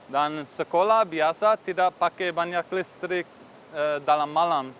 dan sekolah biasa tidak pakai banyak listrik dalam malam